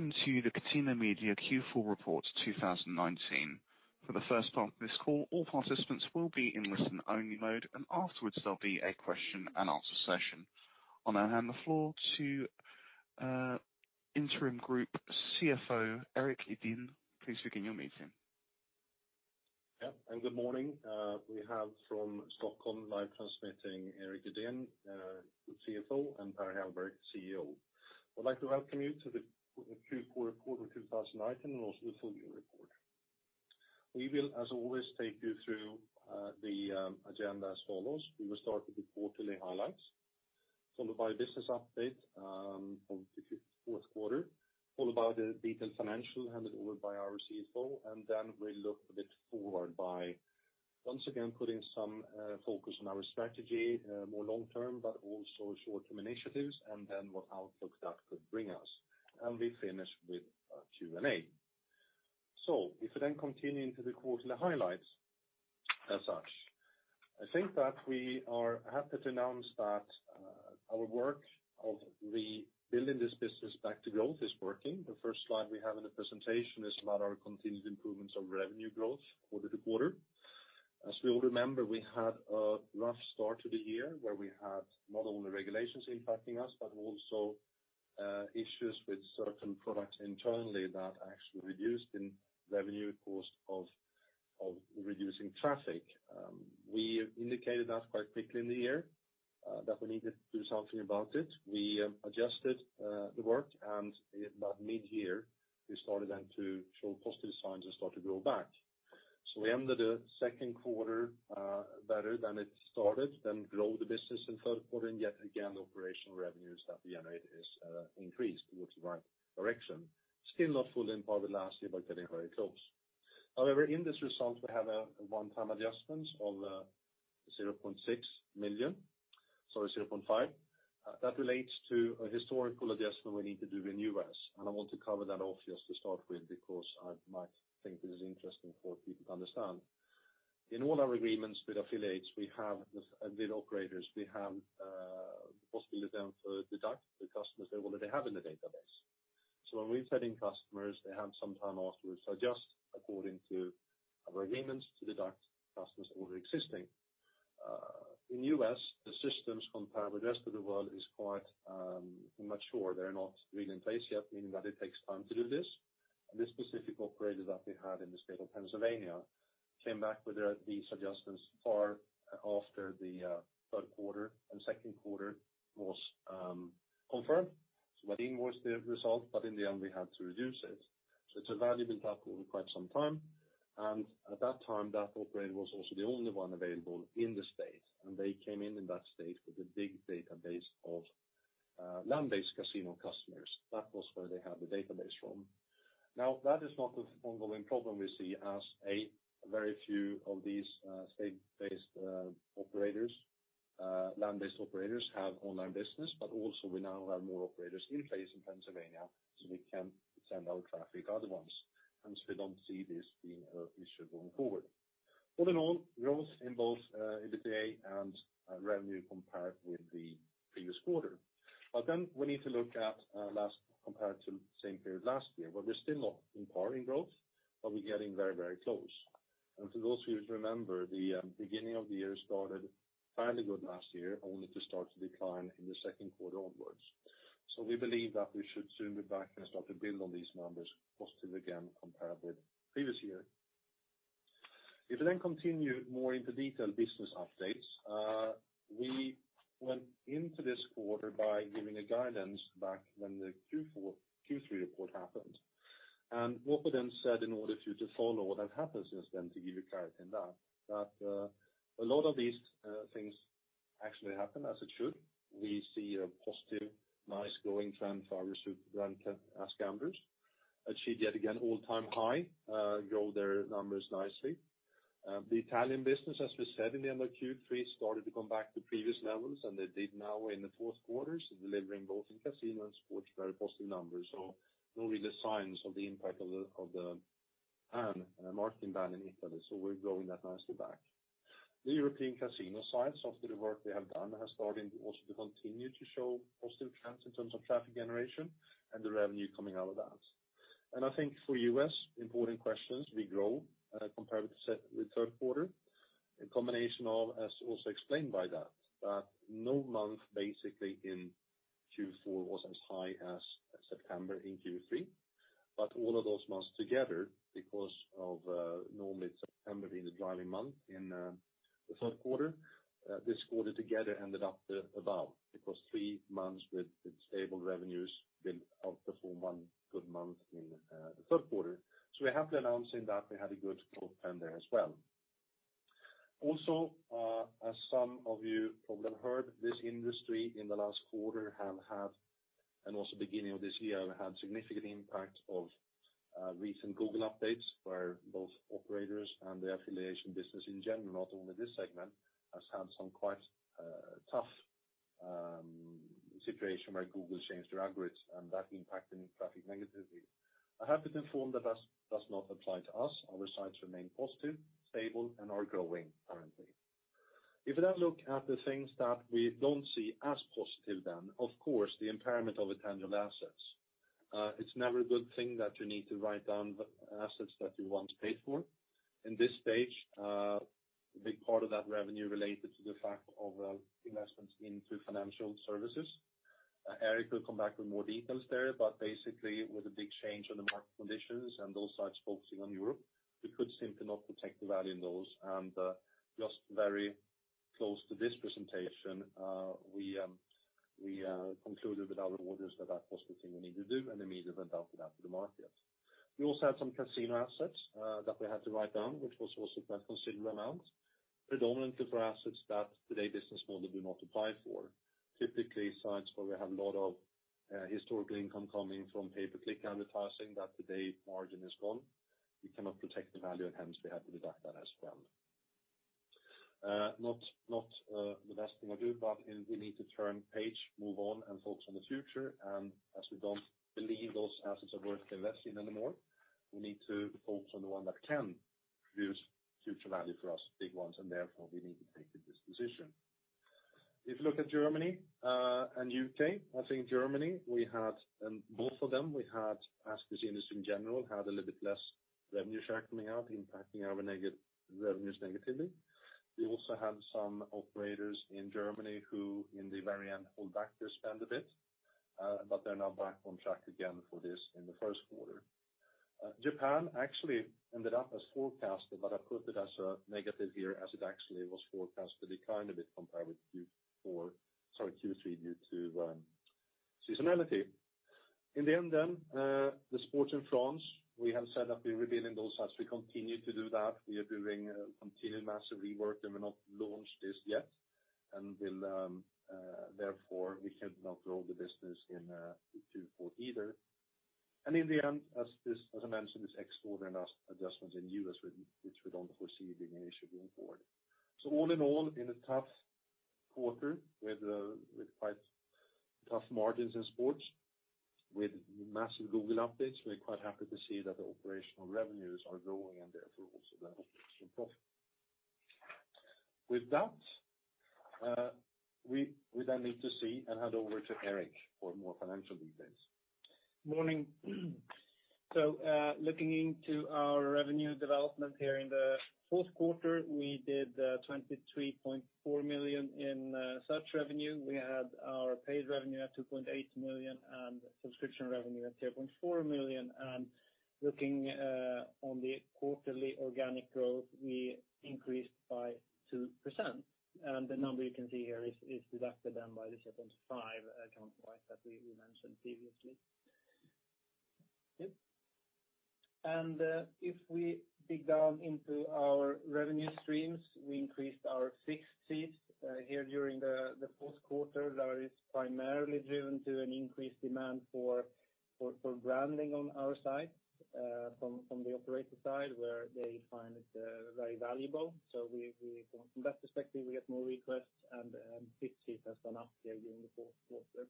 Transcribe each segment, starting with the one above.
Welcome to the Catena Media Q4 Report 2019. For the first part of this call, all participants will be in listen-only mode. Afterwards, there'll be a question and answer session. I'll now hand the floor to Interim Group CFO, Erik Edeen. Please begin your meeting. Good morning. We have from Stockholm live transmitting, Erik Edeen, the CFO, and Per Hellberg, CEO. I'd like to welcome you to the Q4 record of 2019 and also the full year report. We will, as always, take you through the agenda as follows. We will start with the quarterly highlights, followed by a business update for the fourth quarter, followed by the detailed financial handed over by our CFO, and then we'll look a bit forward by once again putting some focus on our strategy, more long-term, but also short-term initiatives, and then what outlooks that could bring us. We finish with a Q&A. If we then continue into the quarterly highlights as such, I think that we are happy to announce that our work of rebuilding this business back to growth is working. The first slide we have in the presentation is about our continued improvements of revenue growth quarter to quarter. As we all remember, we had a rough start to the year where we had not only regulations impacting us, but also issues with certain products internally that actually reduced in revenue cost of reducing traffic. We indicated that quite quickly in the year that we needed to do something about it. We adjusted the work. About mid-year, we started then to show positive signs and start to grow back. We ended the second quarter better than it started, then grow the business in the third quarter. Yet again, the operational revenues that we generate is increased towards the right direction. Still not full in power last year, getting very close. However, in this result, we have a one-time adjustment of 0.6 million. Sorry, 0.5. That relates to a historical adjustment we need to do in U.S., and I want to cover that off just to start with because I might think it is interesting for people to understand. In all our agreements with affiliates, we have with operators, we have the possibility then to deduct the customers they already have in the database. When we're setting customers, they have some time afterwards to adjust according to our agreements to deduct customers already existing. In U.S., the systems compared with the rest of the world is quite mature. They're not really in place yet, meaning that it takes time to do this. This specific operator that we had in the state of Pennsylvania came back with these adjustments far after the third quarter and second quarter was confirmed. That inwards the result, but in the end, we had to reduce it. It's a value we've had for quite some time, and at that time, that operator was also the only one available in the state. They came in in that state with a big database of land-based casino customers. That was where they had the database from. Now, that is not an ongoing problem we see as very few of these state-based operators, land-based operators have online business, but also we now have more operators in place in Pennsylvania, so we can send our traffic to other ones. We don't see this being an issue going forward. All in all, growth in both EBITDA and revenue compared with the previous quarter. We need to look at last compared to the same period last year, where we're still not in powering growth, but we're getting very close. For those who remember, the beginning of the year started fairly good last year, only to start to decline in the second quarter onwards. We believe that we should soon be back and start to build on these numbers positive again compared with the previous year. If we continue more into detailed business updates, we went into this quarter by giving a guidance back when the Q3 report happened. What we then said in order for you to follow what has happened since then, to give you clarity on that a lot of these things actually happened as it should. We see a positive, nice growing trend for our flagship brand AskGamblers. Achieved yet again all-time high, grow their numbers nicely. The Italian business, as we said in the end of Q3, started to come back to previous levels, and they did now in the fourth quarter, delivering both in casino and sports very positive numbers. No real signs of the impact of the ban, marketing ban in Italy, so we're growing that nicely back. The European casino side, after the work we have done, has started also to continue to show positive trends in terms of traffic generation and the revenue coming out of that. I think for U.S., important questions, we grow compared with the third quarter. In combination of, as also explained by that no month basically in Q4 was as high as September in Q3. All of those months together, because of normally it's September being the driving month in the third quarter, this quarter together ended up above because three months with stable revenues will outperform one good month in the third quarter. We're happy announcing that we had a good fourth quarter as well. Also, as some of you probably have heard, this industry in the last quarter have had, and also beginning of this year, have had significant impact of recent Google updates, where both operators and the affiliation business in general, not only this segment, has had some quite tough situation where Google changed their algorithms, and that impacted traffic negatively. I'm happy to inform that that does not apply to us. Our sites remain positive, stable, and are growing currently. If we now look at the things that we don't see as positive then, of course, the impairment of the intangible assets. It's never a good thing that you need to write down the assets that you once paid for. In this stage, a big part of that revenue related to the fact of investments into Financial Services. Erik will come back with more details there, but basically, with a big change on the market conditions and those sites focusing on Europe, we could simply not protect the value in those and just very close to this presentation, we concluded with our auditors that that was the thing we need to do and immediately after that to the market. We also had some casino assets that we had to write down, which was also quite considerable amount. Predominantly for assets that today business model do not apply for. Typically sites where we have a lot of historical income coming from pay-per-click advertising that today margin is gone. We cannot protect the value and hence we have to deduct that as well. Not the best thing to do, but we need to turn page, move on and focus on the future, and as we don't believe those assets are worth investing in anymore, we need to focus on the one that can produce future value for us, big ones, and therefore we need to take the disposition. If you look at Germany, and U.K., I think Germany, both of them, we had, as the industry in general, had a little bit less revenue share coming out, impacting our revenues negatively. We also had some operators in Germany who, in the very end, hold back their spend a bit, but they're now back on track again for this in the first quarter. Japan actually ended up as forecasted, but I put it as a negative here as it actually was forecasted to decline a bit compared with Q3, due to seasonality. In the end, the sports in France, we have said that we're rebuilding those as we continue to do that. We are doing continued massive rework and we've not launched this yet, therefore we could not grow the business in Q4 either. In the end, as I mentioned, this extraordinary adjustments in U.S. which we don't foresee being an issue going forward. All in all, in a tough quarter with quite tough margins in sports, with massive Google updates, we're quite happy to see that the operational revenues are growing and therefore also the operational profit. With that, we need to see and hand over to Erik for more financial details. Morning. Looking into our revenue development here in the fourth quarter, we did 23.4 million in search revenue. We had our paid revenue at 2.8 million and subscription revenue at 3.4 million, looking on the quarterly organic growth, we increased by 2%. The number you can see here is deducted then by the 7.5 account-wide that we mentioned previously. Yep. If we dig down into our revenue streams, we increased our fixed fees here during the fourth quarter. That is primarily driven to an increased demand for branding on our side, from the operator side, where they find it very valuable. From that perspective, we get more requests and fixed fees has gone up here during the fourth quarter.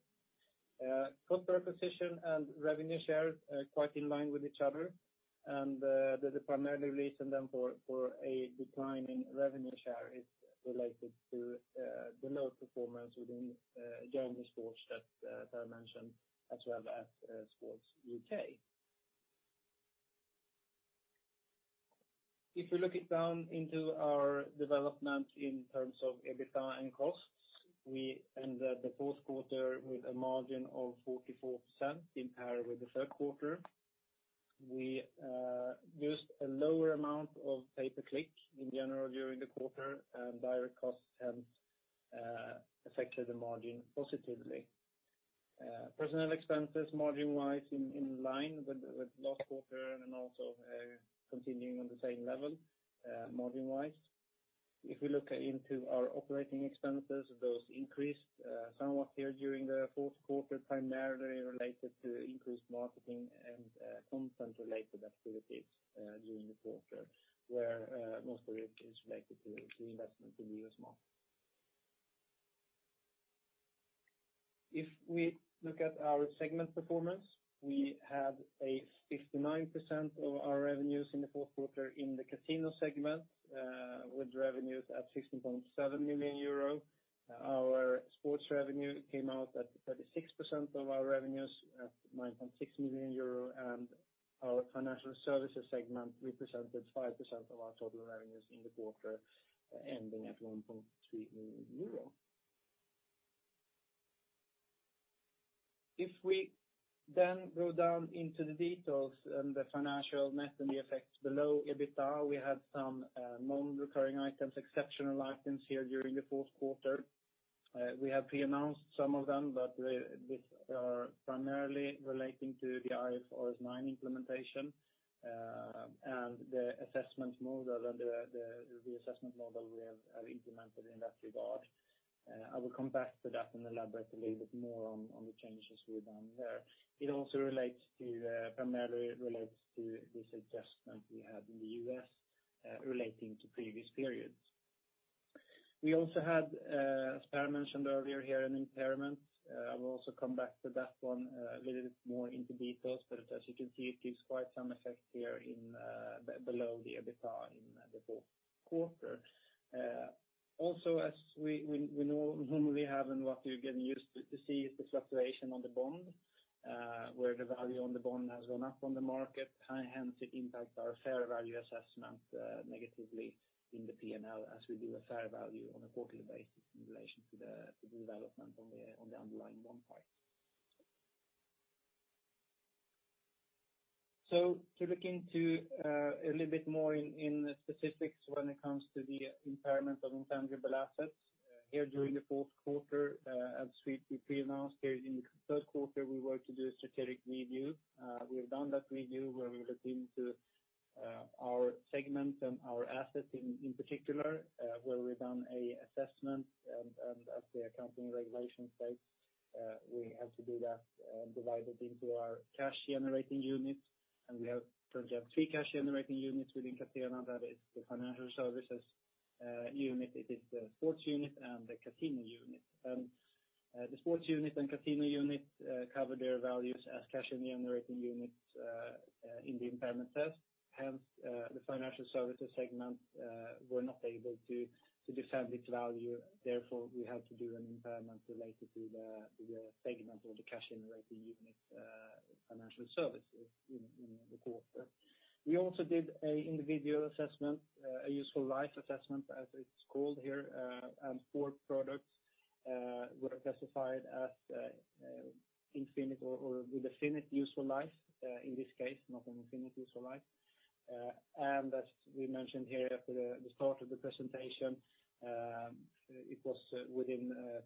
Cost per acquisition and revenue share are quite in line with each other. The primary reason then for a decline in revenue share is related to the low performance within German sports that I mentioned as well as sports U.K. If we look it down into our development in terms of EBITDA and costs, we ended the fourth quarter with a margin of 44% in parallel with the third quarter. We used a lower amount of pay-per-click in general during the quarter. Direct costs hence affected the margin positively. Personnel expenses margin wise in line with last quarter, also continuing on the same level margin wise. If we look into our operating expenses, those increased somewhat here during the fourth quarter, primarily related to increased marketing and content related activities during the quarter, where most of it is related to the investment in the U.S. market. We look at our segment performance, we had 59% of our revenues in the fourth quarter in the casino segment, with revenues at 16.7 million euros. Our sports revenue came out at 36% of our revenues at 9.6 million euro. Our Financial Services segment represented 5% of our total revenues in the quarter, ending at 1.3 million euro. We then go down into the details and the financial net and the effects below EBITDA, we had some non-recurring items, exceptional items here during the fourth quarter. We have pre-announced some of them. These are primarily relating to the IFRS 9 implementation, and the assessment model and the reassessment model we have implemented in that regard. I will come back to that and elaborate a little bit more on the changes we have done there. It also primarily relates to this adjustment we had in the U.S., relating to previous periods. We also had, as Per mentioned earlier here, an impairment. I will also come back to that one a little bit more into details, but as you can see, it gives quite some effect here below the EBITDA in the fourth quarter. As we normally have and what we're getting used to see is the fluctuation on the bond, where the value on the bond has gone up on the market. It impacts our fair value assessment negatively in the P&L as we do a fair value on a quarterly basis in relation to the development on the underlying bond part. To look into a little bit more in the specifics when it comes to the impairment of intangible assets here during the fourth quarter, as we pre-announced here in the third quarter, we were to do a strategic review. We have done that review where we looked into our segments and our assets in particular where we've done an assessment and as the accounting regulation states we have to do that divided into our cash generating units. We currently have three cash generating units within Catena, that is the Financial Services unit, it is the Sports unit, and the Casino unit. The Sports unit and Casino unit cover their values as cash generating units in the impairment test, hence the Financial Services segment were not able to defend its value. We had to do an impairment related to the segment or the cash generating unit Financial Services in the quarter. We also did an individual assessment, a useful life assessment, as it's called here. Four products were classified as infinite or with a finite useful life, in this case, not an infinite useful life. As we mentioned here at the start of the presentation, it was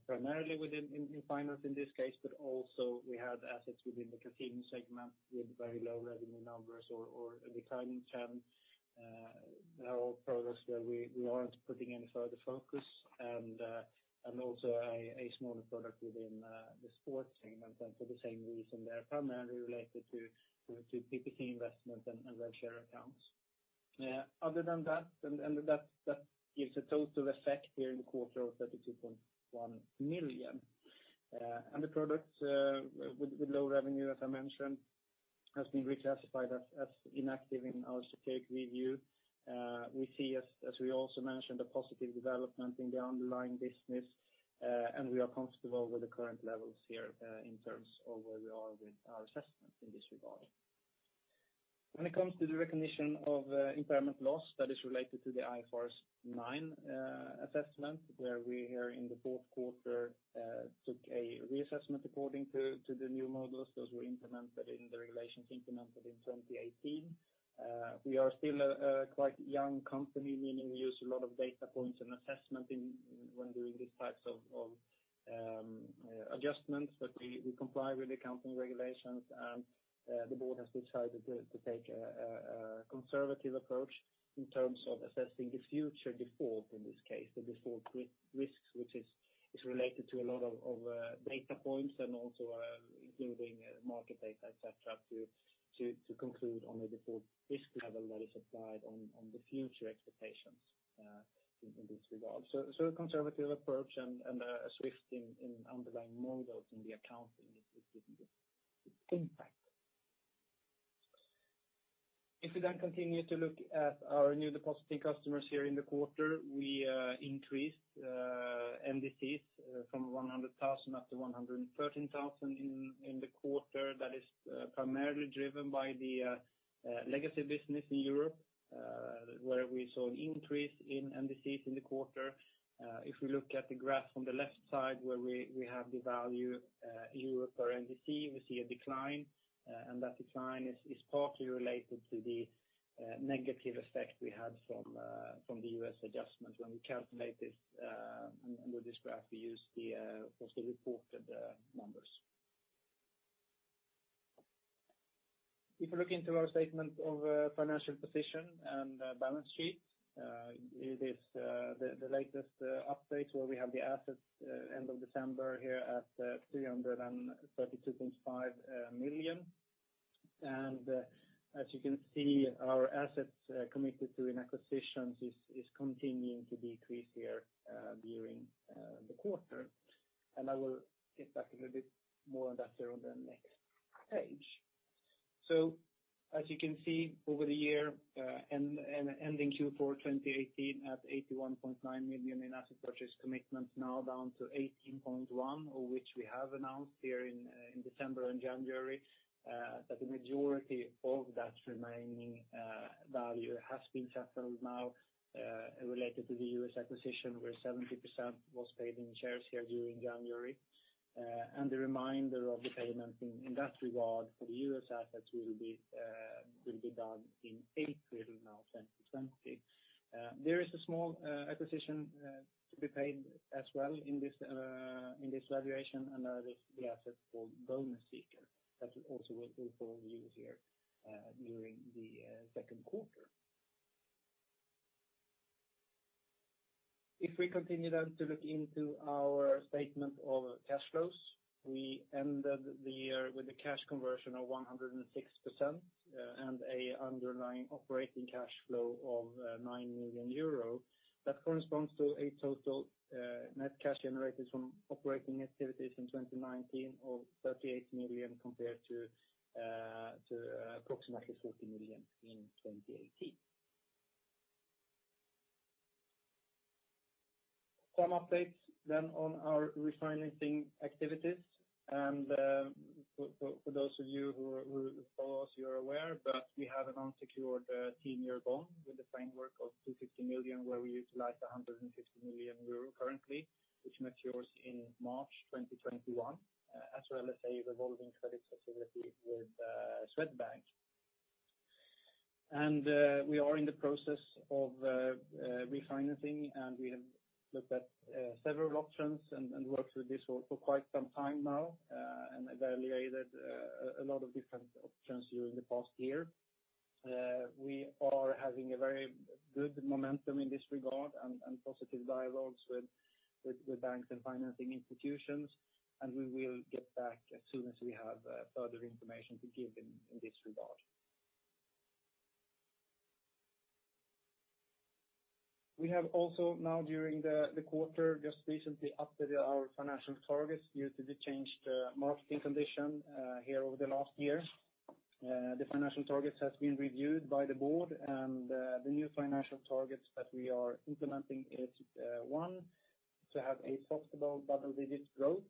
primarily within iGaming in this case, but also we had assets within the casino segment with very low revenue numbers or a declining trend. They are all products where we aren't putting any further focus and also a smaller product within the sports segment. For the same reason, they're primarily related to PPC investment and rev share accounts. Other than that gives a total effect here in the quarter of 32.1 million. The products with low revenue, as I mentioned, has been reclassified as inactive in our strategic review. We see, as we also mentioned, a positive development in the underlying business, and we are comfortable with the current levels here in terms of where we are with our assessments in this regard. When it comes to the recognition of impairment loss that is related to the IFRS 9 assessment, where we here in the fourth quarter took a reassessment according to the new models. Those were implemented in the regulations implemented in 2018. We are still a quite young company, meaning we use a lot of data points and assessment when doing these types of adjustments. We comply with the accounting regulations, and the board has decided to take a conservative approach in terms of assessing the future default in this case, the default risks, which is related to a lot of data points and also including market data, et cetera, to conclude on a default risk level that is applied on the future expectations in this regard. A conservative approach and a shift in underlying models in the accounting is giving the impact. If we continue to look at our New Depositing Customers here in the quarter, we increased NDCs from 100,000 up to 113,000 in the quarter. That is primarily driven by the legacy business in Europe, where we saw an increase in NDCs in the quarter. If we look at the graph on the left side where we have the value Europe per NDC, we see a decline, and that decline is partly related to the negative effect we had from the U.S. adjustment. When we calculate this and with this graph, we use the posted reported numbers. If you look into our statement of financial position and balance sheet, it is the latest update where we have the assets end of December here at 332.5 million. As you can see, our assets committed to an acquisition is continuing to decrease here during the quarter. I will get back a little bit more on that here on the next page. As you can see over the year and ending Q4 2018 at 81.9 million in asset purchase commitments, now down to 18.1 of which we have announced here in December and January that the majority of that remaining value has been settled now related to the U.S. acquisition where 70% was paid in shares here during January. The remainder of the payment in that regard for the U.S. assets will be done in April 2023. There is a small acquisition to be paid as well in this valuation, another asset called BonusSeeker that also will fall on you here during the second quarter. If we continue to look into our statement of cash flows, we ended the year with a cash conversion of 106% and an underlying operating cash flow of 9 million euro. That corresponds to a total net cash generated from operating activities in 2019 of 38 million compared to approximately 14 million in 2018. Some updates then on our refinancing activities, and for those of you who follow us, you are aware, but we have an unsecured 10-year bond with a framework of 250 million, where we utilize the 150 million euro currently, which matures in March 2021, as well as a revolving credit facility with Swedbank. We are in the process of refinancing, and we have looked at several options and worked with this for quite some time now and evaluated a lot of different options during the past year. We are having a very good momentum in this regard and positive dialogues with banks and financing institutions, and we will get back as soon as we have further information to give in this regard. We have also now during the quarter, just recently updated our financial targets due to the changed marketing condition here over the last year. The financial targets has been reviewed by the board and the new financial targets that we are implementing is, one, to have a sustainable double-digit growth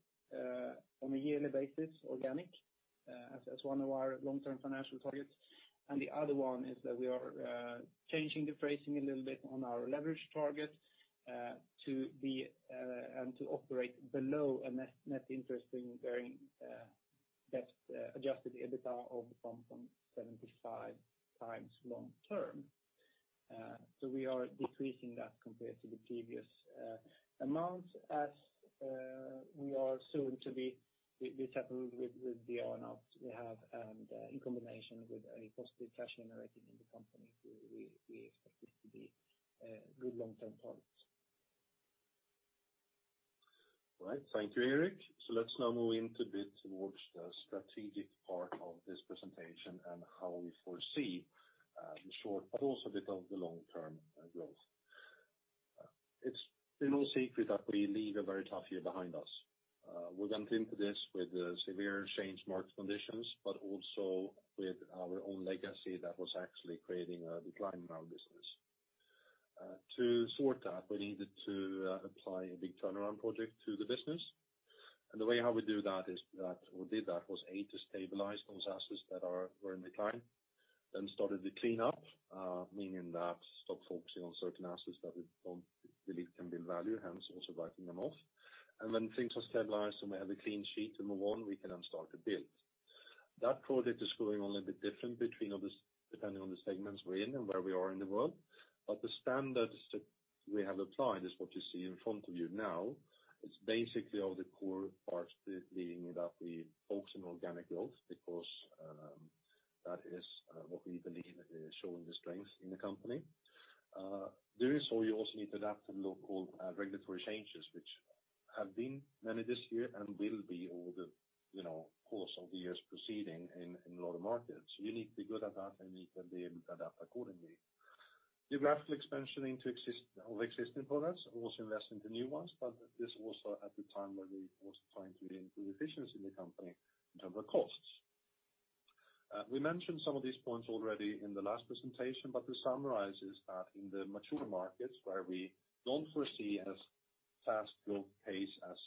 on a yearly basis, organic, as one of our long-term financial targets. The other one is that we are changing the phrasing a little bit on our leverage target, to operate below a net interest-bearing debt adjusted EBITDA of 1.75 times long term. We are decreasing that compared to the previous amount as we are soon to be settled with the earn-outs we have, and in combination with a positive cash generated in the company, we expect it to be good long-term targets. All right. Thank you, Erik. Let's now move into a bit towards the strategic part of this presentation and how we foresee the short, but also a bit of the long-term growth. It's been no secret that we leave a very tough year behind us. We went into this with severe changed market conditions, but also with our own legacy that was actually creating a decline in our business. To sort that, we needed to apply a big turnaround project to the business. The way how we did that was, A., to stabilize those assets that were in decline, then started the cleanup, meaning that stop focusing on certain assets that we don't believe can build value, hence also writing them off. When things were stabilized and we have a clean sheet to move on, we can then start to build. That project is going a little bit different depending on the segments we're in and where we are in the world. The standards that we have applied is what you see in front of you now. It's basically all the core parts, meaning that we focus on organic growth because that is what we believe is showing the strength in the company. During this whole, you also need to adapt to local regulatory changes, which have been many this year and will be over the course of the years proceeding in a lot of markets. You need to be good at that, and you need to be able to adapt accordingly. Geographical expansion of existing products, also invest into new ones, but this also at the time where we was trying to improve efficiency in the company in terms of costs. We mentioned some of these points already in the last presentation. To summarize is that in the mature markets where we don't foresee as fast growth pace as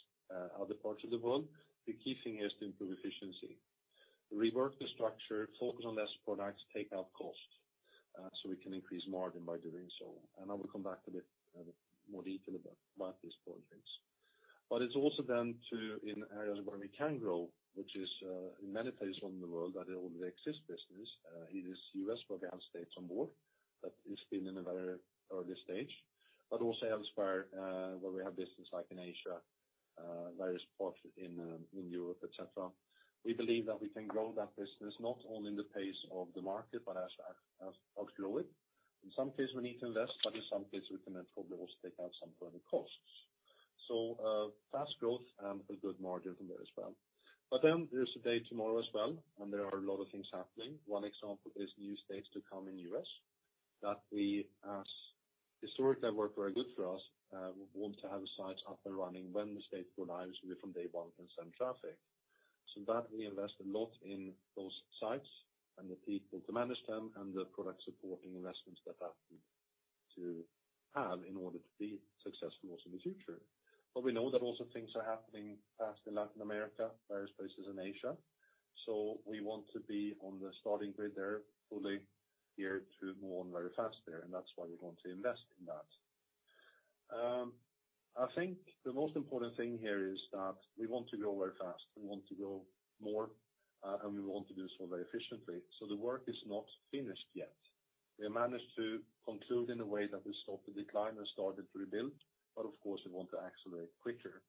other parts of the world, the key thing is to improve efficiency. Rework the structure, focus on less products, take out costs. We can increase margin by doing so. I will come back a bit more detail about these projects. It's also then to in areas where we can grow, which is in many places around the world that already exist business, it is U.S. where we have states on board, that is still in a very early stage, but also elsewhere where we have business like in Asia, various parts in Europe, et cetera. We believe that we can grow that business not only in the pace of the market, but outgrow it. In some cases, we need to invest, but in some cases, we can then probably also take out some further costs. Fast growth and a good margin from there as well. There's a day tomorrow as well, and there are a lot of things happening. One example is new states to come in U.S. that we as historically have worked very good for us, want to have sites up and running when the state goes live, so we from day one can send traffic. We invest a lot in those sites and the people to manage them and the product supporting investments that have to have in order to be successful also in the future. We know that also things are happening fast in Latin America, various places in Asia. We want to be on the starting grid there fully geared to move on very fast there, and that's why we want to invest in that. I think the most important thing here is that we want to grow very fast. We want to grow more, and we want to do so very efficiently. The work is not finished yet. We managed to conclude in a way that we stopped the decline and started to rebuild, but of course, we want to accelerate quicker.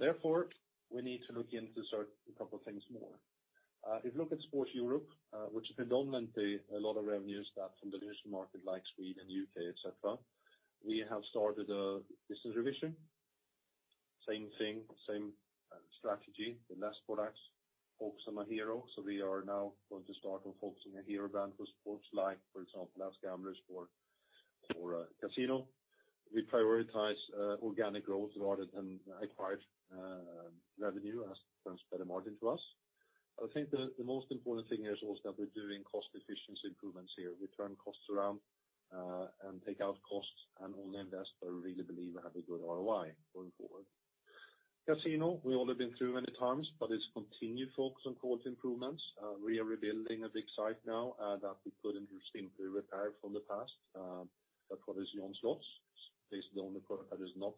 Therefore, we need to look into a couple things more. If you look at Sports Europe, which predominantly a lot of revenues that from the nearest market, like Sweden, U.K., et cetera, we have started a business revision. Same thing, same strategy. The less products focus on Betting Hero. We are now going to start focusing on Hero brand for sports like, for example, AskGamblers for Casino. We prioritize organic growth rather than acquired revenue as it brings better margin to us. I think the most important thing here is also that we're doing cost efficiency improvements here. We turn costs around, and take out costs, and all investors really believe we have a good ROI going forward. Casino, we've already been through many times, but it's continued focus on quality improvements. We are rebuilding a big site now that we couldn't simply repair from the past, but what is JohnSlots is the only product that is not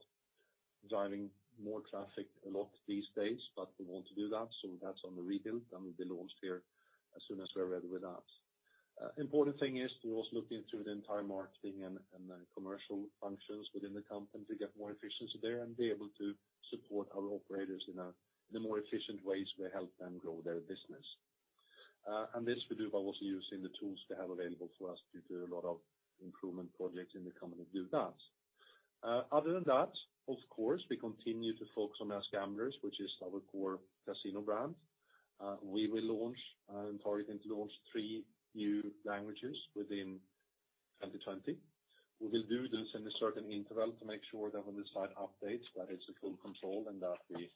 driving more traffic a lot these days, but we want to do that. That's on the rebuild and will be launched here as soon as we're ready with that. Important thing is we're also looking into the entire marketing and commercial functions within the company to get more efficiency there and be able to support our operators in the more efficient ways we help them grow their business. This we do by also using the tools they have available for us to do a lot of improvement projects in the company to do that. Other than that, of course, we continue to focus on AskGamblers, which is our core casino brand. We will launch and are targeting to launch three new languages within 2020. We will do this in a certain interval to make sure that when the site updates that it's in full control and that we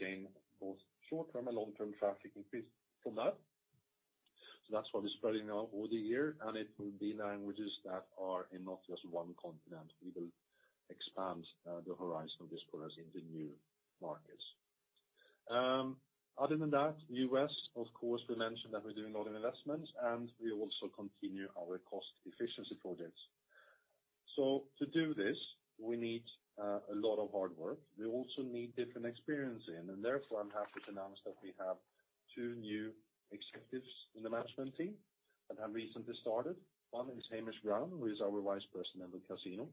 gain both short-term and long-term traffic increase from that. That's why we're spreading out over the year, and it will be languages that are in not just one continent. We will expand the horizon of this for us in the new markets. Other than that, U.S., of course, we mentioned that we're doing a lot of investments, and we also continue our cost efficiency projects. To do this, we need a lot of hard work. We also need different experience in, and therefore, I'm happy to announce that we have two new executives in the management team that have recently started. One is Hamish Brown, who is our Vice President of the casino.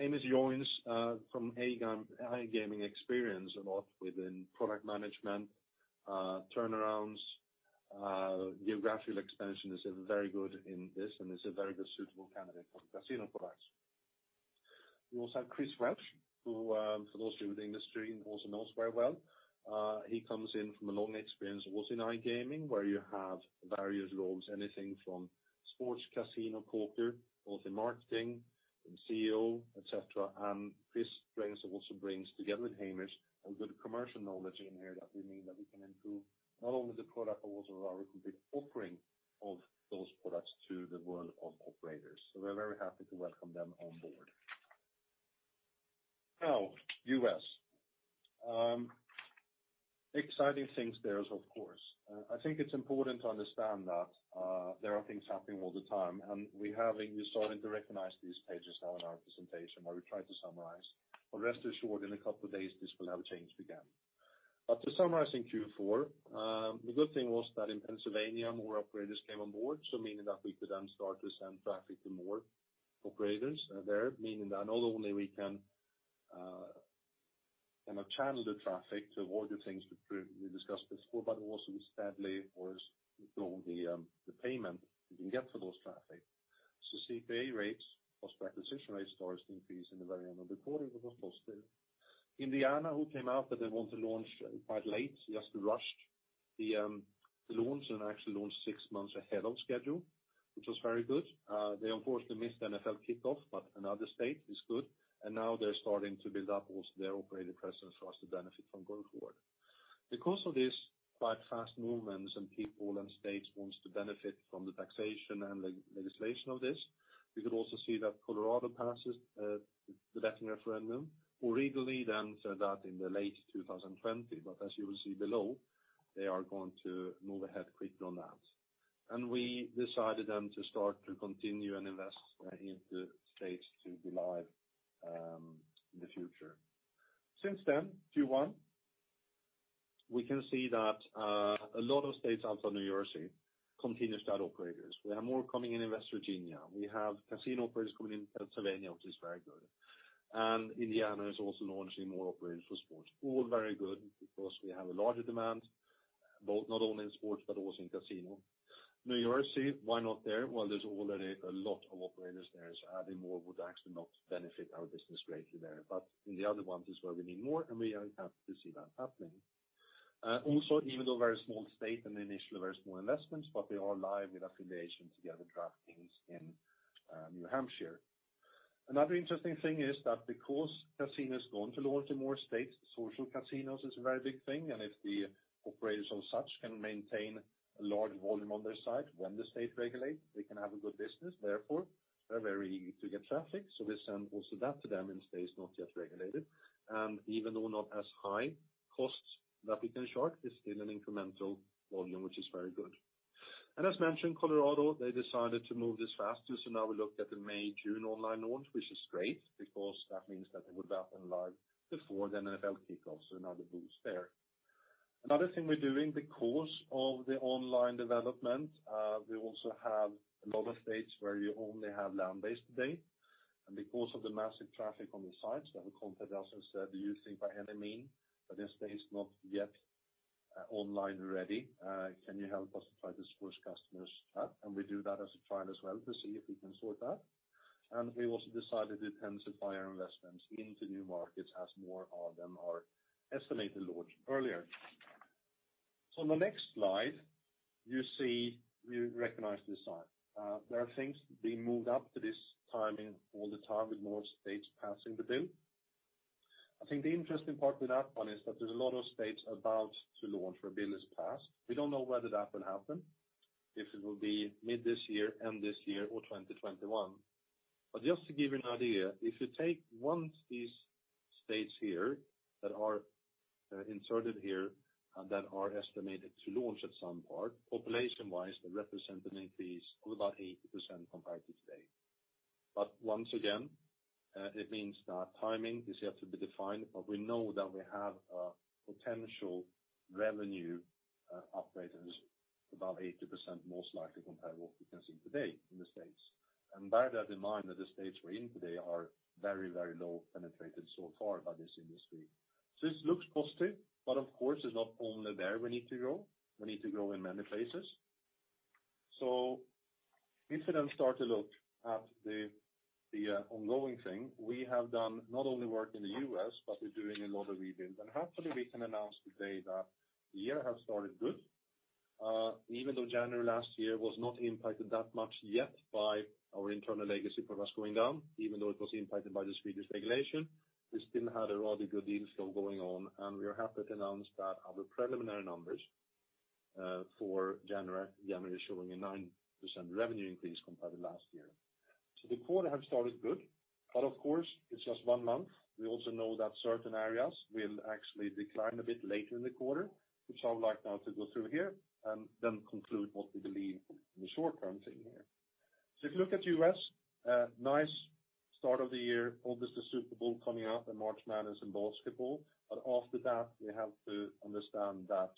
Hamish joins from iGaming experience a lot within product management, turnarounds, geographical expansion, is very good in this and is a very good suitable candidate for the casino products. We also have Chris Welch, who, for those of you in the industry, also knows very well. He comes in from a long experience, also in iGaming, where you have various roles, anything from sports casino poker, both in marketing and CEO, et cetera. Chris also brings, together with Hamish, a good commercial knowledge in here that we mean that we can improve not only the product but also our complete offering of those products to the world of operators. We're very happy to welcome them on board. Now, U.S. Exciting things there as of course. I think it's important to understand that there are things happening all the time, and we have, and you saw, and we recognize these pages now in our presentation where we tried to summarize. Rest assured, in a couple of days, this will have changed again. To summarize in Q4, the good thing was that in Pennsylvania, more operators came on board, meaning that we could then start to send traffic to more operators there, meaning that not only we can kind of channel the traffic to all the things we previously discussed before, but also sadly, of course, with all the payment we can get for those traffic. CPA rates, cost per acquisition rates, starts to increase in the very end of the quarter, which was positive. Indiana, who came out that they want to launch quite late, just rushed the launch and actually launched 6 months ahead of schedule, which was very good. They unfortunately missed NFL kickoff, but another state is good, and now they're starting to build up also their operator presence for us to benefit from going forward. Because of this quite fast movement and people and states wants to benefit from the taxation and legislation of this, we could also see that Colorado passes the betting referendum, who legally then said that in the late 2020. As you will see below, they are going to move ahead quickly on that. We decided then to start to continue and invest into states to be live in the future. Since then, Q1, we can see that a lot of states after New Jersey continue to add operators. We have more coming in in West Virginia. We have casino operators coming in Pennsylvania, which is very good. Indiana is also launching more operators for sports. All very good because we have a larger demand, both not only in sports but also in casino. New Jersey, why not there? Well, there's already a lot of operators there, adding more would actually not benefit our business greatly there. In the other ones is where we need more, we are happy to see that happening. Also, even though very small state and initially very small investments, we are live with affiliations together DraftKings in New Hampshire. Another interesting thing is that because casinos going to launch in more states, social casinos is a very big thing, if the operators on such can maintain a large volume on their side when the state regulates, they can have a good business. Therefore, they're very easy to get traffic. We send also that to them in states not yet regulated. Even though not as high costs that we can charge, it's still an incremental volume, which is very good. As mentioned, Colorado, they decided to move this faster. Now we look at the May, June online launch, which is great because that means that they would have been live before the NFL kickoff, so another boost there. Another thing we're doing because of the online development, we also have a lot of states where you only have land-based today, and because of the massive traffic on the sites, we have contacted us and said, "Do you think by any means that this state is not yet online ready? Can you help us to try to switch customers?" We do that as a trial as well to see if we can sort that. We also decided to intensify our investments into new markets as more of them are estimated to launch earlier. On the next slide, you recognize this slide. There are things being moved up to this timing all the time with more states passing the bill. I think the interesting part with that one is that there is a lot of states about to launch where a bill is passed. We don't know whether that will happen, if it will be mid this year, end this year or 2021. Just to give you an idea, if you take one of these states here that are inserted here, that are estimated to launch at some part, population-wise, they represent an increase of about 80% compared to today. Once again, it means that timing is yet to be defined, but we know that we have a potential revenue uplift of about 80% most likely compared to what we can see today in the States. Bear that in mind that the states we're in today are very, very low penetrated so far by this industry. This looks positive, but of course, it's not only there we need to go. We need to go in many places. If we then start to look at the ongoing thing, we have done not only work in the U.S., but we're doing a lot of reviews. Happily, we can announce today that the year has started good. Even though January last year was not impacted that much yet by our internal legacy progress going down, even though it was impacted by the Swedish regulation, we still had a rather good deal still going on, and we are happy to announce that our preliminary numbers, for January is showing a 9% revenue increase compared to last year. The quarter has started good, but of course, it's just one month. We also know that certain areas will actually decline a bit later in the quarter, which I would like now to go through here, and then conclude what we believe in the short term thing here. If you look at U.S., nice start of the year. Obviously, Super Bowl coming up and March Madness in basketball. After that, we have to understand that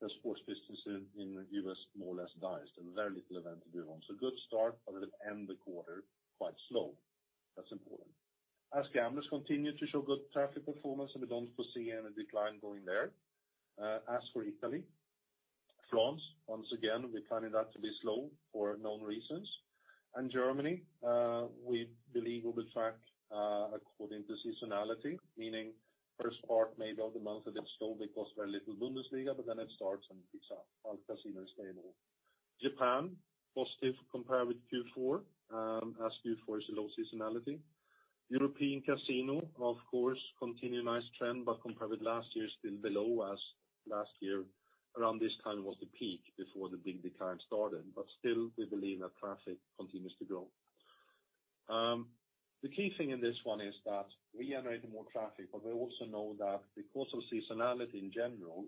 the sports business in U.S. more or less dies. There are very little events to be on. Good start, but it'll end the quarter quite slow. That's important. AskGamblers continue to show good traffic performance, and we don't foresee any decline going there. As for Italy, France, once again, we're planning that to be slow for known reasons. Germany, we believe will be tracked, according to seasonality, meaning first part, maybe of the month, a bit slow because very little Bundesliga, but then it starts and picks up our casino stable. Japan, positive compared with Q4, as Q4 is a low seasonality. European casino, of course, continue a nice trend, compared with last year, still below as last year around this time was the peak before the big decline started. Still, we believe that traffic continues to grow. The key thing in this one is that we are generating more traffic, but we also know that because of seasonality in general,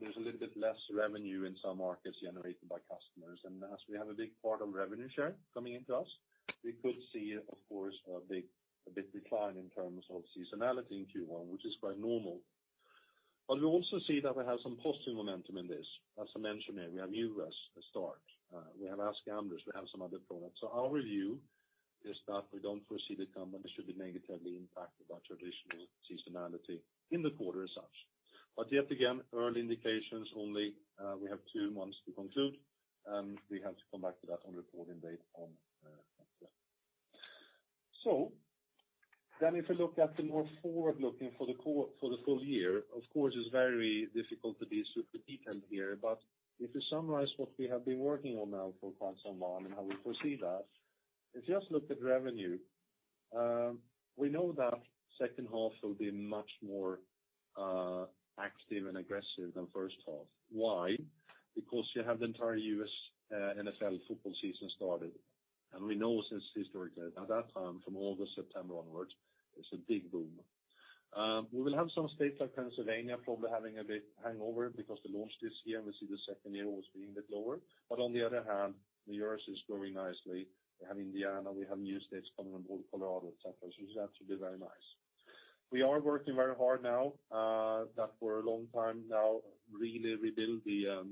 there's a little bit less revenue in some markets generated by customers. As we have a big part of revenue share coming into us, we could see, of course, a big decline in terms of seasonality in Q1, which is quite normal. We also see that we have some positive momentum in this. As I mentioned here, we have U.S. start, we have AskGamblers, we have some other products. Our view is that we don't foresee the company should be negatively impacted by traditional seasonality in the quarter as such. Yet again, early indications only, we have two months to conclude, and we have to come back to that on reporting date on next slide. If we look at the more forward-looking for the full year, of course, it's very difficult to be super detailed here, but if you summarize what we have been working on now for quite some time and how we foresee that, if you just look at revenue, we know that second half will be much more active and aggressive than first half. Why? You have the entire U.S. NFL football season started. We know since historically that at that time from August, September onwards, it's a big boom. We will have some states like Pennsylvania probably having a bit hangover because they launched this year and we see the second year always being a bit lower. On the other hand, New York is growing nicely. We have Indiana, we have new states coming on board, Colorado, et cetera. It's actually very nice. We are working very hard now, that for a long time now really rebuild the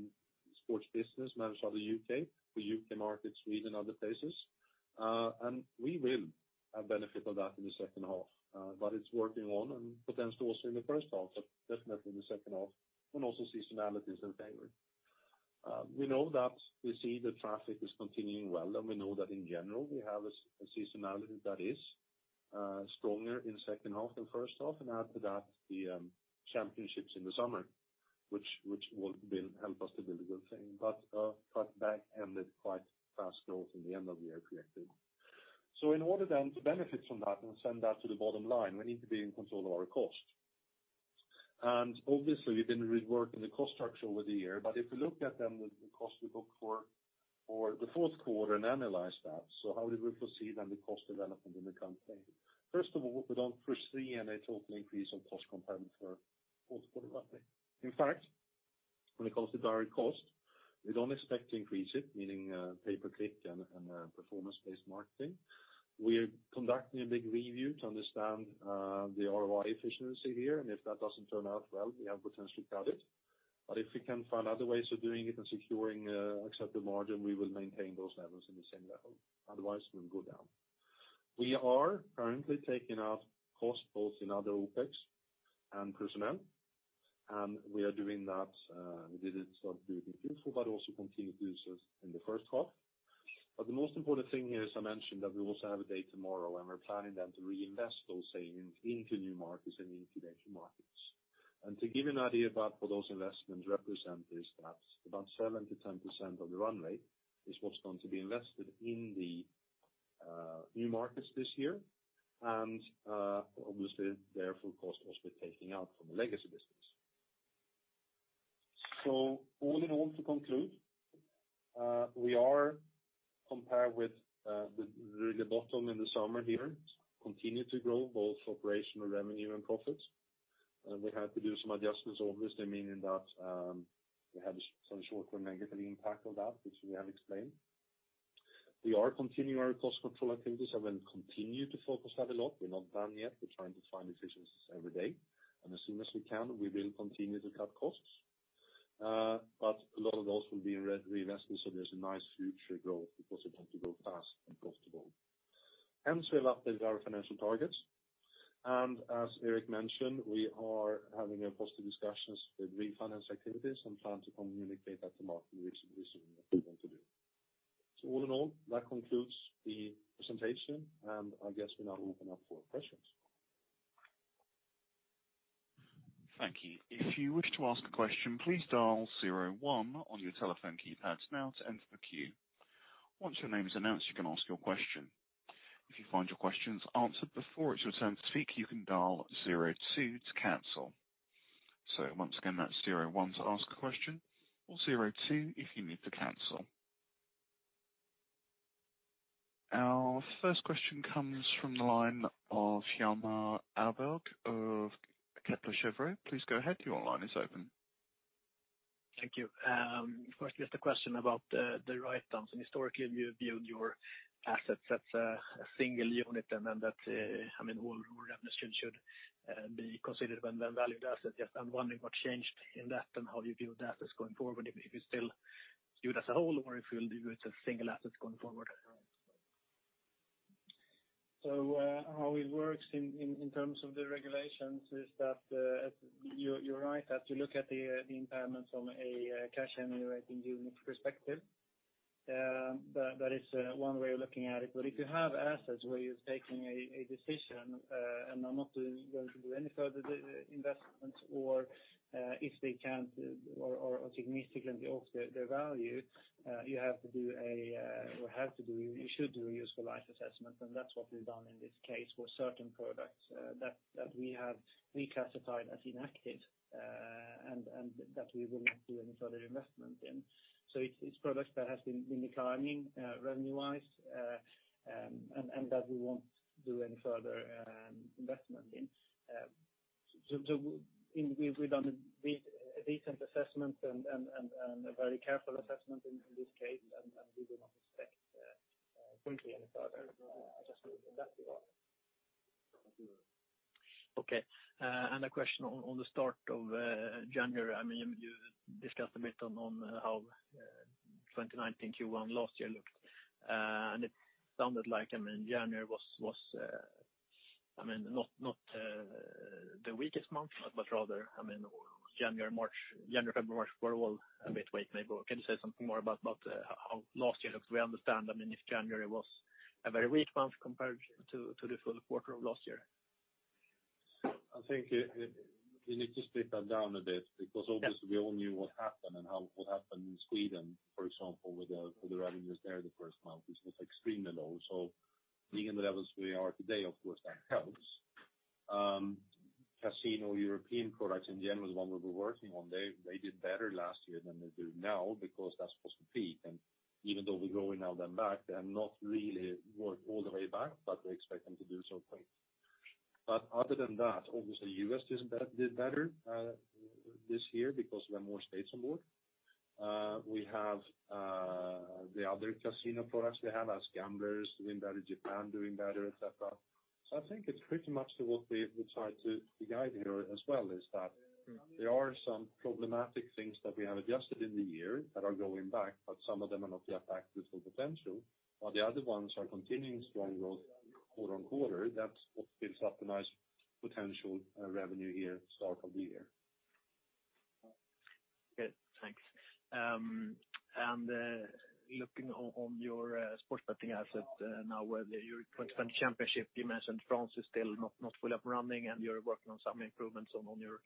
sports business, manage all the U.K., the U.K. markets, Sweden, other places. We will have benefit of that in the second half. It's working on and potentially also in the first half, but definitely in the second half, and also seasonality is in favor. We know that we see the traffic is continuing well, and we know that in general, we have a seasonality that is stronger in second half than first half. After that, the championships in the summer, which will help us to build a good thing. That ended quite fast growth in the end of the year projected. In order then to benefit from that and send that to the bottom line, we need to be in control of our cost. Obviously, we've been reworking the cost structure over the year. If you look at then the cost we book for the fourth quarter and analyze that, how did we foresee then the cost development in the company? First of all, we don't foresee any total increase on cost compared to our fourth quarter last year. When it comes to direct cost, we don't expect to increase it, meaning pay-per-click and performance-based marketing. We are conducting a big review to understand the ROI efficiency here. If that doesn't turn out well, we have potentially cut it. If we can find other ways of doing it and securing acceptable margin, we will maintain those levels in the same level. Otherwise, we'll go down. We are currently taking out costs both in other OpEx and personnel. We are doing that. We did it sort of during Q4, also continued this in the first half. The most important thing here, as I mentioned, that we also have a day tomorrow. We're planning then to reinvest those savings into new markets and into existing markets. To give you an idea about what those investments represent is that about 7%-10% of the runway is what's going to be invested in the new markets this year. Obviously, therefore, cost also taking out from a legacy business. All in all, to conclude, we are compared with the bottom in the summer here, continue to grow both operational revenue and profits. We had to do some adjustments, obviously, meaning that we had some short-term negative impact on that, which we have explained. We are continuing our cost control activities and will continue to focus that a lot. We're not done yet. We're trying to find efficiencies every day. As soon as we can, we will continue to cut costs. A lot of those will be reinvested, so there's a nice future growth because we want to grow fast and profitable. Hence we uplifted our financial targets. As Erik mentioned, we are having positive discussions with refinance activities and plan to communicate that to market very soon if we want to do. All in all, that concludes the presentation, and I guess we'll now open up for questions. Thank you. If you wish to ask a question, please dial zero one on your telephone keypad now to enter the queue. Once your name is announced, you can ask your question. If you find your questions answered before it's your turn to speak, you can dial zero two to cancel. Once again, that's zero one to ask a question or zero two if you need to cancel. Our first question comes from the line of Hjalmar Ahlberg of Kepler Cheuvreux. Please go ahead. Your line is open. Thank you. First, just a question about the write-downs. Historically, you viewed your assets as a single unit, and then that whole revenue stream should be considered when they're valued assets. Yes, I'm wondering what changed in that and how you view the assets going forward. If you still view it as a whole or if you'll view it as a single asset going forward. How it works in terms of the regulations is that you're right that you look at the impairments from a cash generating unit perspective. That is one way of looking at it. If you have assets where you're taking a decision and are not going to do any further investments or if they can't or significantly off their value, you should do a useful life assessment. That's what we've done in this case for certain products that we have reclassified as inactive, and that we will not do any further investment in. It's products that have been declining revenue-wise, and that we won't do any further investment in. We've done a recent assessment and a very careful assessment in this case. We do not expect going to do any further adjustment in that regard. Okay. A question on the start of January. You discussed a bit on how 2019 Q1 last year looked. It sounded like January was not the weakest month, but rather January, February, March were all a bit weak maybe. Can you say something more about how last year looked? We understand, if January was a very weak month compared to the full quarter of last year. I think we need to split that down a bit because obviously we all knew what happened and what happened in Sweden, for example, with the revenues there the first month, which was extremely low. Being at the levels we are today, of course, that helps. Casino European products in general is one we were working on. They did better last year than they do now because that's supposed to peak. Even though we're growing now them back, they're not really work all the way back, but we expect them to do so quite. Other than that, obviously U.S. did better this year because we have more states on board. We have the other casino products we have AskGamblers doing better, Japan doing better, et cetera. I think it's pretty much what we try to guide here as well, is that there are some problematic things that we have adjusted in the year that are going back, but some of them are not yet back to full potential, while the other ones are continuing strong growth quarter on quarter. That's what gives optimized potential revenue here start of the year. Okay, thanks. Looking on your sports betting asset now with the Euro 2020 Championship, you mentioned France is still not full up running, and you're working on some improvements on your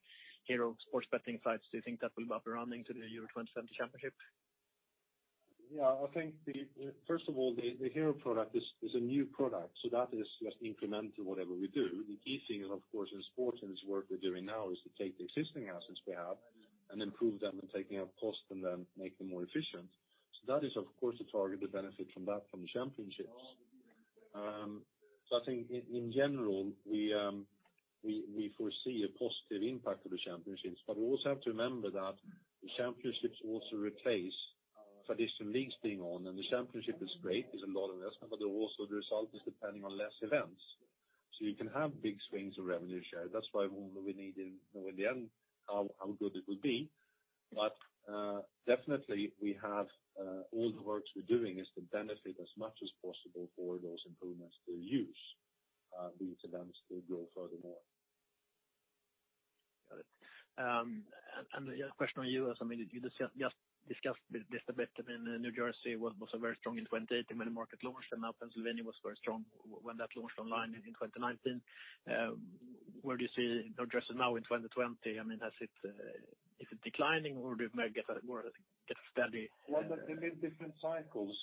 Hero sports betting sites. Do you think that will be up and running to the Euro 2020 Championship? Yeah, I think first of all, the Hero product is a new product, so that is just incremental to whatever we do. The key thing is, of course, in sports and this work we're doing now is to take the existing assets we have and improve them and taking out cost and then make them more efficient. That is, of course, a targeted benefit from that, from the championships. I think in general, we foresee a positive impact of the championships, but we also have to remember that the championships also replace traditional leagues being on and the championship is great, there's a lot of investment, but also the result is depending on less events. You can have big swings of revenue share. That's why we need to know in the end how good it will be. Definitely we have all the works we're doing is to benefit as much as possible for those improvements to use these events to grow furthermore. Got it. A question on you, as you just discussed this a bit. I mean, New Jersey was very strong in 2018 when the market launched. Now Pennsylvania was very strong when that launched online in 2019. Where do you see New Jersey now in 2020? I mean, is it declining or more get steady? Well, they're in different cycles.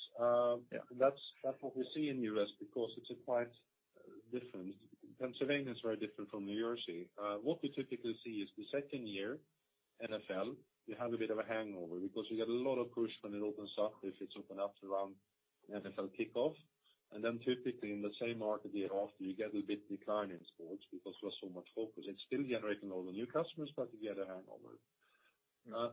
Yeah. That's what we see in the U.S. because it's quite different. Pennsylvania is very different from New Jersey. What we typically see is the second year, NFL, you have a bit of a hangover because you get a lot of push when it opens up, if it's opened up around NFL kickoff. Then typically in the same market year after, you get a bit decline in sports because there was so much focus. It's still generating all the new customers, you get a hangover.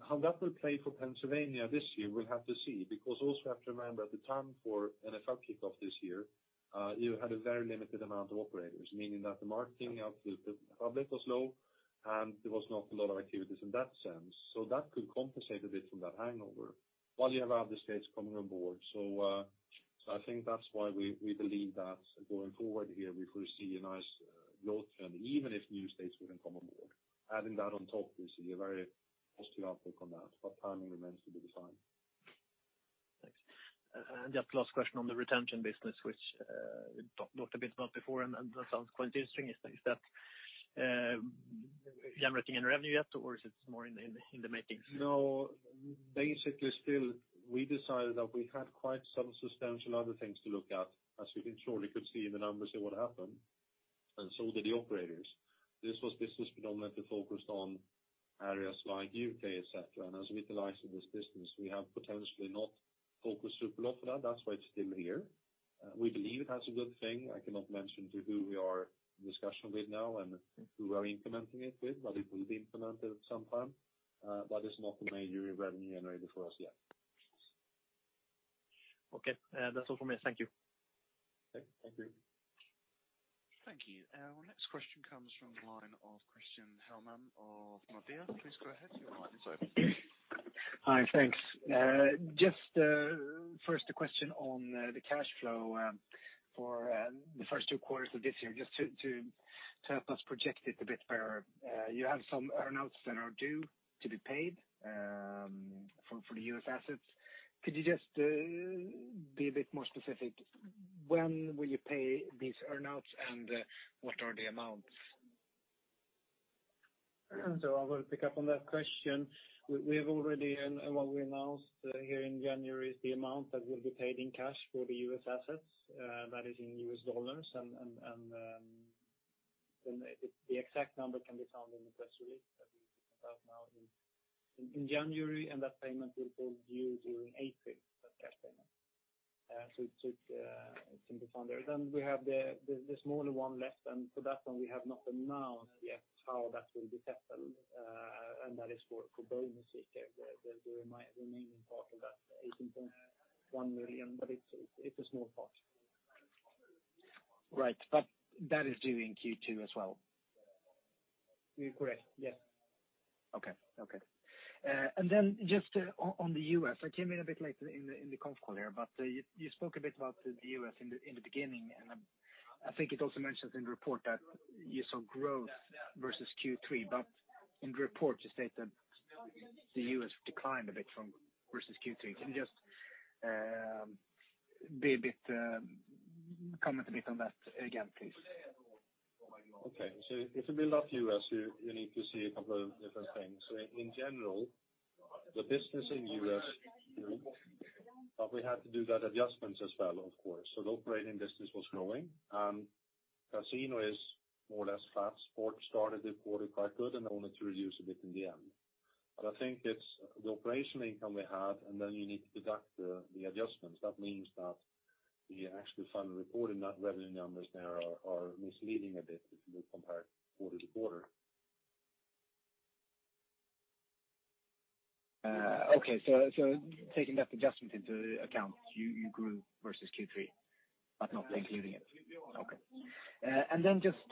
How that will play for Pennsylvania this year, we'll have to see, because also have to remember the time for NFL kickoff this year, you had a very limited amount of operators, meaning that the marketing of the public was low, and there was not a lot of activities in that sense. That could compensate a bit from that hangover while you have other states coming on board. I think that's why we believe that going forward here, we foresee a nice growth trend, even if new states wouldn't come on board. Adding that on top, we see a very positive outlook on that. Timing remains to be defined. Thanks. Just last question on the retention business, which you talked a bit about before, and that sounds quite interesting. Is that generating any revenue yet, or is it more in the making? Basically still, we decided that we had quite some substantial other things to look at, as you can surely could see in the numbers of what happened, and so did the operators. This was business predominantly focused on areas like U.K., et cetera, and as we utilize this business, we have potentially not focused super lot for that. That's why it's still here. We believe it has a good thing. I cannot mention to who we are in discussion with now and who we are implementing it with, but it will be implemented at some time. It's not a major revenue generator for us yet. Okay. That's all from me. Thank you. Okay. Thank you. Thank you. Our next question comes from the line of Christian Hellman of Nordea. Please go ahead, your line is open. Hi. Thanks. Just first a question on the cash flow for the first two quarters of this year, just to help us project it a bit better. You have some earn-outs that are due to be paid for the U.S. assets. Could you just be a bit more specific, when will you pay these earn-outs, and what are the amounts? I will pick up on that question. We have already, and what we announced here in January is the amount that will be paid in cash for the U.S. assets, that is in U.S. dollars. The exact number can be found in the press release that we put out now in January, and that payment will be due during April, that cash payment. It can be found there. We have the smaller one left, and for that one, we have not announced yet how that will be settled. That is for BonusSeeker, the remaining part of that 18.1 million, but it's a small part. Right. That is due in Q2 as well? Correct. Yes. Okay. Just on the U.S., I came in a bit late in the conference call here, but you spoke a bit about the U.S. in the beginning, and I think it also mentions in the report that you saw growth versus Q3, but in the report you state that the U.S. declined a bit from versus Q3. Can you just comment a bit on that again, please? Okay. If you build up U.S., you need to see a couple of different things. In general, the business in U.S. grew, but we had to do that adjustments as well, of course. The operating business was growing, and casino is more or less flat. Sports started the quarter quite good and only to reduce a bit in the end. I think it's the operational income we have, and then you need to deduct the adjustments. That means that the actual final reported net revenue numbers there are misleading a bit if you compare quarter-to-quarter. Taking that adjustment into account, you grew versus Q3, but not including it. Just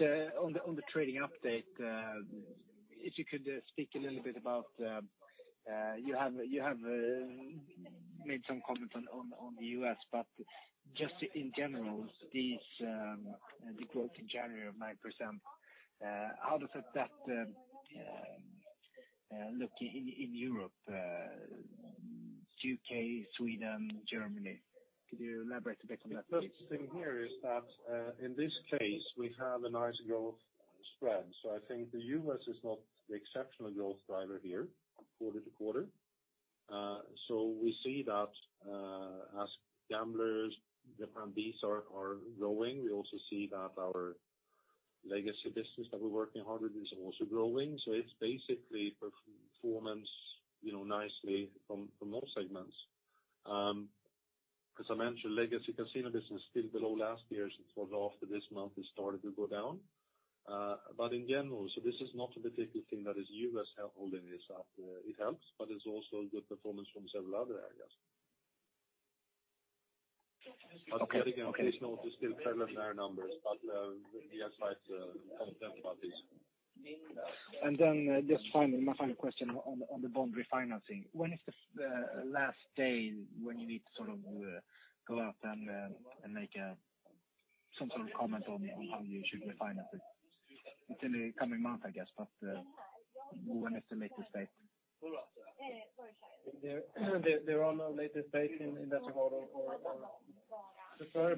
on the trading update, if you could speak a little bit about, you have made some comments on the U.S., but just in general, the growth in January of 9%, how does that look in Europe, U.K., Sweden, Germany? Could you elaborate a bit on that please? The first thing here is that, in this case, we have a nice growth spread. I think the U.S. is not the exceptional growth driver here quarter to quarter. We see that AskGamblers, the punters are growing. We also see that our legacy business that we're working hard with is also growing. It's basically performing nicely from most segments. As I mentioned, legacy casino business still below last year since was after this month it started to go down. In general, this is not a particular thing that is U.S. holding this up. It helps, it's also good performance from several other areas. Okay. Again, it is still preliminary numbers, but we are quite content about this. Just my final question on the bond refinancing. When is the last day when you need to go out and make some sort of comment on how you should refinance it? It's in the coming month, I guess, when estimate to say? There are no latest date in that model, or preferably before it will be due to payment in 2021. We will be communicating something much sooner than that.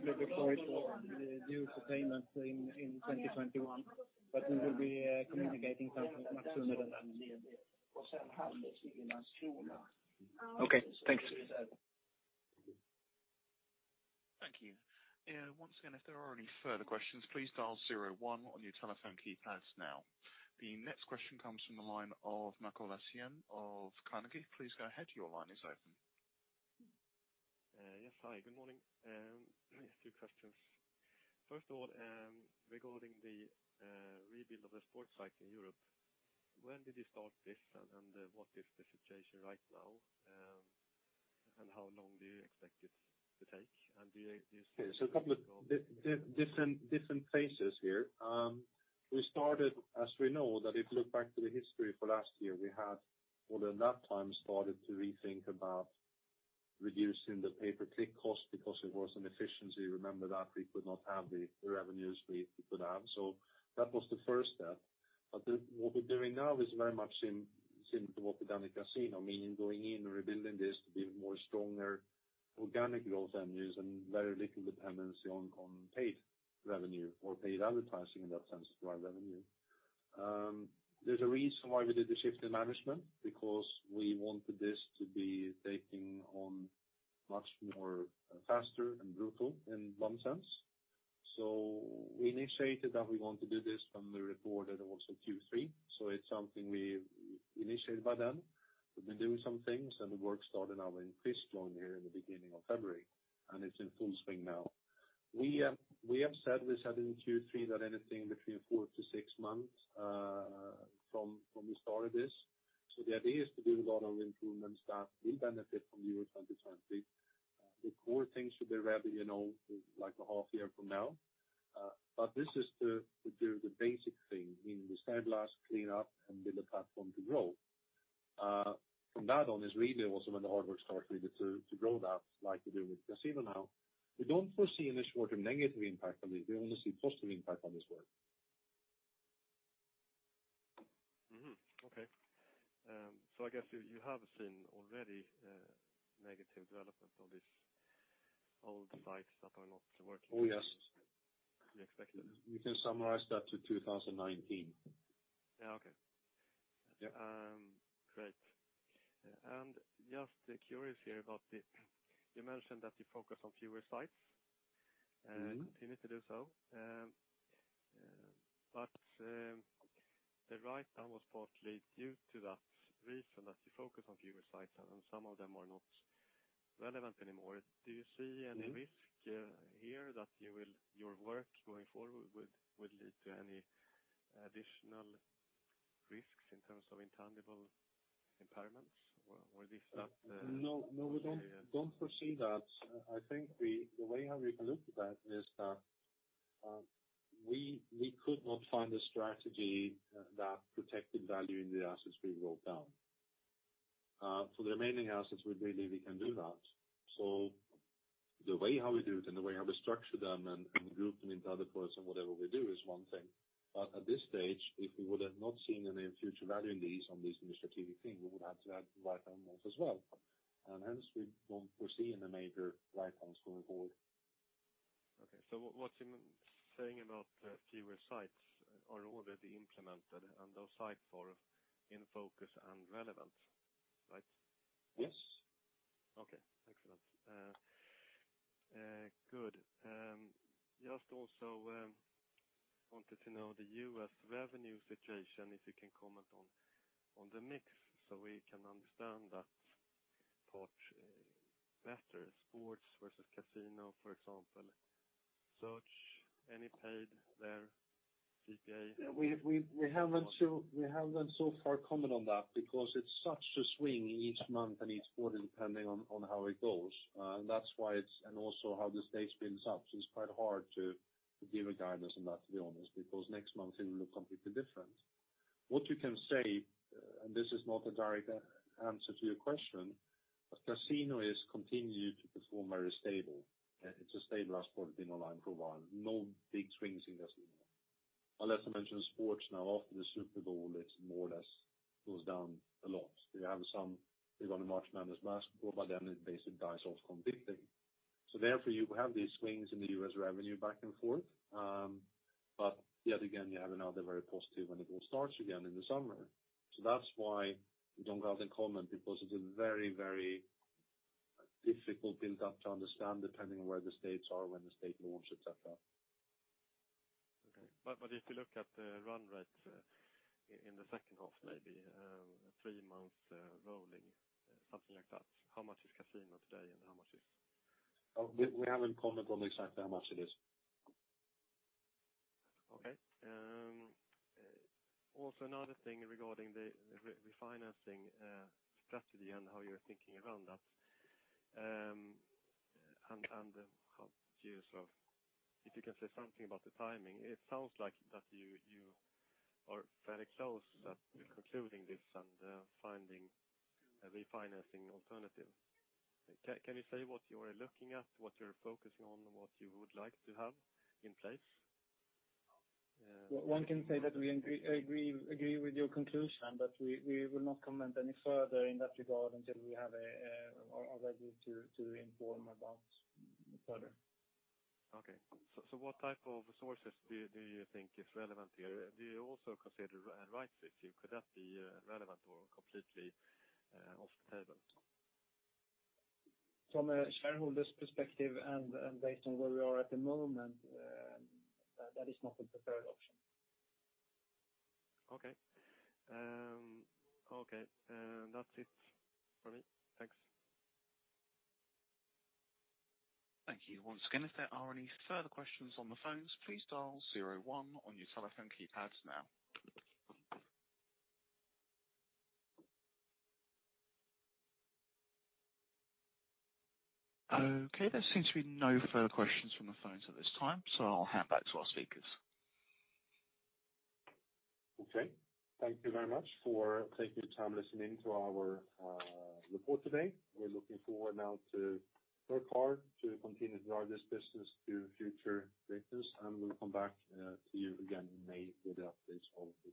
Okay, thanks. Thank you. Once again, if there are any further questions, please dial zero one on your telephone keypads now. The next question comes from the line of Mikael Lassén of Carnegie. Please go ahead. Your line is open. Yes, hi, good morning. Two questions. First of all, regarding the rebuild of the sports site in Europe, when did you start this, and what is the situation right now? How long do you expect it to take? A couple of different phases here. We started, as we know, that if you look back to the history for last year, we had already at that time started to rethink about reducing the pay-per-click cost because it was an efficiency. Remember that we could not have the revenues we could have. That was the first step. What we're doing now is very much similar to what we've done in casino, meaning going in and rebuilding this to be more stronger organic growth avenues and very little dependency on paid revenue or paid advertising in that sense to our revenue. There's a reason why we did the shift in management, because we wanted this to be taking on much more faster and brutal in some sense. We initiated that we want to do this when we reported also Q3. It's something we initiated by then. We've been doing some things, and the work started now in full swing here in the beginning of February, and it's in full swing now. We have said this in Q3 that anything between four to six months, from we started this. The idea is to do a lot of improvements that will benefit from U.S. NFL 2020. The core things should be ready, like a half year from now. This is to do the basic thing, meaning the sandblast clean up and build a platform to grow. From that on is really also when the hard work starts really to grow that, like we do with casino now. We don't foresee any short-term negative impact on this. We only see positive impact on this work. Okay. I guess you have seen already negative development of this old sites that are not working. Oh, yes. You expect that. You can summarize that to 2019. Yeah. Okay. Yeah. Great. Just curious here. You mentioned that you focus on fewer sites. Continue to do so. The write-down was partly due to that reason that you focus on fewer sites and some of them are not relevant anymore. Do you see any risk here that your work going forward would lead to any additional risks in terms of intangible impairments, or is that. No, we don't foresee that. I think the way how we can look at that is that we could not find a strategy that protected value in the assets we wrote down. For the remaining assets, we believe we can do that. The way how we do it and the way how we structure them and group them into other pools and whatever we do is one thing. At this stage, if we would have not seen any future value in these on these new strategic thing, we would have to add write-downs there as well. Hence we don't foresee any major write-downs going forward. Okay. What you're saying about fewer sites are already implemented and those sites are in focus and relevant, right? Yes. Okay. Excellent. Good. Just also wanted to know the U.S. revenue situation, if you can comment on the mix so we can understand that part better. Sports versus casino, for example. Search, any paid there, PPC? We haven't so far commented on that because it's such a swing each month and each quarter depending on how it goes. That's why And also how the stage builds up. It's quite hard to give a guidance on that, to be honest, because next month it will look completely different. What you can say, and this is not a direct answer to your question, but casino is continued to perform very stable. It's a stable sport been online for a while. No big swings in casino. Unless I mentioned sports now, after the Super Bowl, it more or less goes down a lot. We have some, we run a March Madness basket, but by then it basically dies off completely. Therefore, you have these swings in the U.S. revenue back and forth. Yet again, you have another very positive, and it all starts again in the summer. That's why we don't have the comment, because it's a very difficult build up to understand depending where the states are, when the state launch, et cetera. Okay. If you look at the run rate in the second half, maybe three months rolling, something like that. How much is casino today and how much is? We haven't commented on exactly how much it is. Okay. Also another thing regarding the refinancing strategy and how you're thinking around that. How years of If you can say something about the timing. It sounds like that you are very close at concluding this and finding a refinancing alternative. Can you say what you are looking at, what you're focusing on, what you would like to have in place? One can say that we agree with your conclusion. We will not comment any further in that regard until we are ready to inform about further. Okay. What type of resources do you think is relevant here? Do you also consider a rights issue? Could that be relevant or completely off the table? From a shareholder's perspective and based on where we are at the moment, that is not the preferred option. Okay. That's it from me. Thanks. Thank you once again. If there are any further questions on the phones, please dial zero one on your telephone keypads now. There seems to be no further questions from the phones at this time. I'll hand back to our speakers. Okay. Thank you very much for taking the time listening to our report today. We're looking forward now to work hard to continue to grow this business to future greatness. We'll come back to you again in May with the updates of the quarter.